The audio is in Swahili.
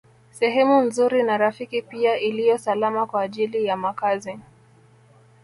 Sehemu nzuri na rafiki pia iliyo salama kwa ajili ya makazi